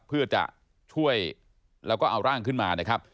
เพื่อจะช่วยแล้วก็เอาร่างขึ้นมานะครับ